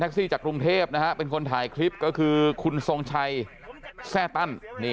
แท็กซี่จากกรุงเทพฯนะเป็นคนถ่ายคลิปก็คือคุณทรงชัยแท่ตั้นนี่